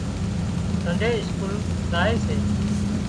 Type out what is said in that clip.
سنڊي اسڪول زائي سي